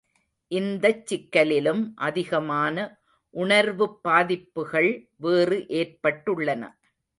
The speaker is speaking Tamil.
இந்தச் சிக்கலிலும் அதிகமான உணர்வுப் பாதிப்புகள் வேறு ஏற்பட்டுள்ளன.